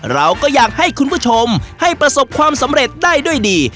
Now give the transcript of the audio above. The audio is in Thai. เราก็อยากให้คุณผู้ชมให้ประสบความสำเร็จได้ด้วยดี